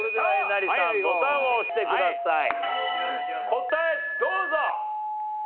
答えどうぞ！